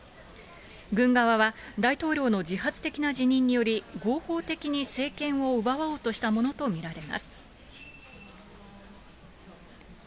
軍側は大統領の自発的な辞任により、合法的に政権を奪おうとしたものと見られます。